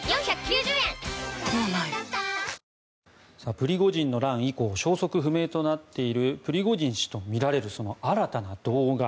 プリゴジンの乱以降消息不明となっているプリゴジン氏とみられる新たな動画。